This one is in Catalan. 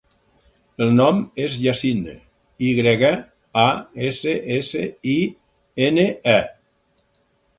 El nom és Yassine: i grega, a, essa, essa, i, ena, e.